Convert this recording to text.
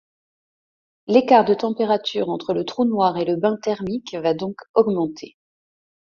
L'écart de température entre le trou noir et le bain thermique va donc augmenter.